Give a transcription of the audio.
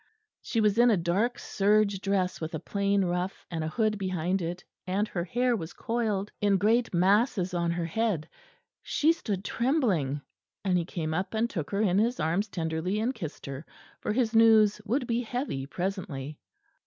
She was in a dark serge dress with a plain ruff, and a hood behind it, and her hair was coiled in great masses on her head. She stood trembling, and he came up and took her in his arms tenderly and kissed her, for his news would be heavy presently.